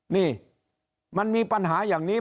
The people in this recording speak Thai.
นี่มันมีปัญหาอย่างนี้